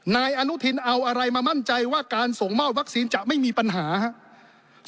นายอนุทินเอาอะไรมามั่นใจว่าการส่งมอบวัคซีนจะไม่มีปัญหาครับ